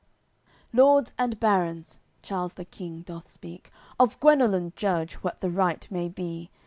AOI. CCLXXII "Lords and barons," Charles the King doth speak, "Of Guenelun judge what the right may be!